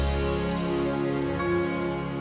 untuk menjelaskan yang jelas